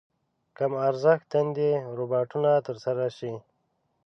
کم ارزښت دندې روباټونو تر سره شي.